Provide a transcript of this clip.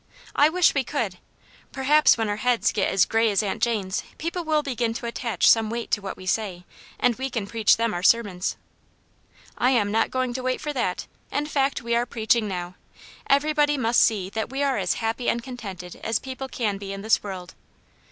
" I wish we could. Perhaps, when our heads get as grey as Aunt Jane's, people will begin to attach some weight to what we say, and we can then preach our sermons." " I am not going to wait for that. In fact, we arc preaching now. Everybody must see that we are as happy and contented as people can be in this world.